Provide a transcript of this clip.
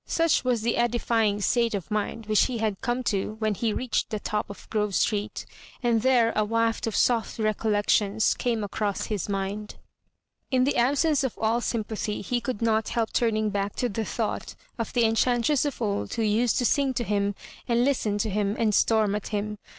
Such was the edifying state of mind which he had come to when he reached the t(^ of Grove Street And there a waft of soft recollections came acaxMs his mind. In the absence of all sympathy he could not help turnmg back to the thought of the enchan tress of old who used to sing to him, and listen to him, and storm at him.